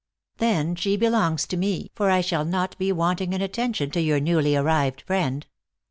" Then she belongs to me, for I shall not be want ing in attention to your newly arrived friend.